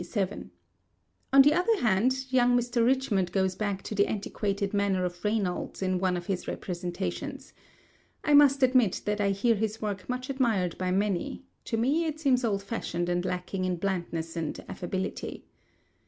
On the other hand, young Mr. Richmond goes back to the antiquated manner of Reynolds in one of his representations. I must admit that I hear this work much admired by many; to me it seems old fashioned and lacking in blandness and affability.